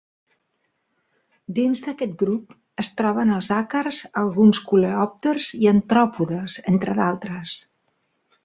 Dins d'aquest grup, es troben els àcars, alguns coleòpters i artròpodes, entre d'altres.